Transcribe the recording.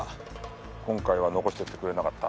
今回は残していってくれなかった。